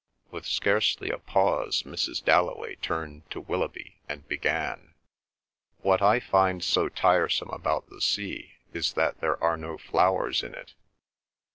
With scarcely a pause Mrs. Dalloway turned to Willoughby and began: "What I find so tiresome about the sea is that there are no flowers in it.